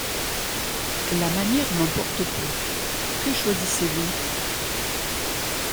La manière m’importe peu. — Que choisissez-vous?